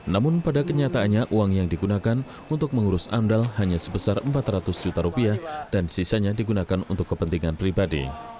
namun pada kenyataannya uang yang digunakan untuk mengurus amdal hanya sebesar empat ratus juta rupiah dan sisanya digunakan untuk kepentingan pribadi